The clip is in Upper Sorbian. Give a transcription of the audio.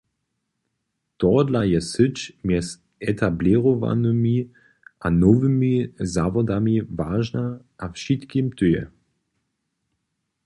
Tohodla je syć mjez etablěrowanymi a nowymi zawodami wažna a wšitkim tyje.